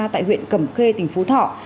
tại huyện cẩm khê tỉnh phú thọ